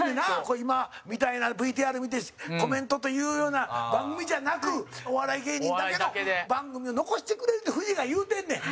今みたいな、ＶＴＲ見てコメントというような番組じゃなくお笑い芸人だけの番組を残してくれってフジが言うてんねん。